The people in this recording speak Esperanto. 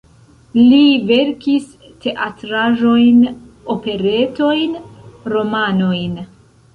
Li verkis teatraĵojn, operetojn, romanojn.